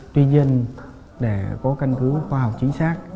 tuy nhiên để có căn cứ khoa học chính xác